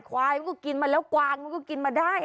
ควายมันก็กินมาแล้วกวางมันก็กินมาได้